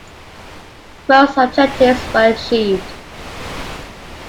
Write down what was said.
Most objectives were achieved.